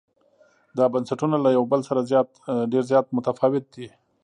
دا بنسټونه له یو بل سره ډېر زیات متفاوت دي.